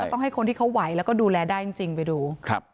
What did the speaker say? ต้องให้คนที่เขาไหวแล้วก็ดูแลได้จริงไปดู